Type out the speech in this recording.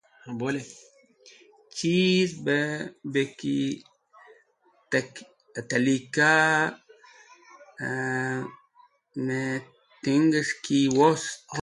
Chiz bi bi tẽlika mitinges̃h ki wost yas̃h z̃hũ yarkẽ tẽrnomẽjoy gok̃ht.